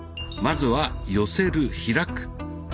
まずは「寄せる・開く」。